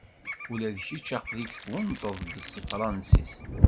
Ula d kečč aql-ik twennteḍ-d s tefransist.